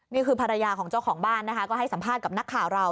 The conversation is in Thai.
นี่คือภรรยาของเจ้าของบ้านนะคะก็ให้สัมภาษณ์กับนักข่าวเรา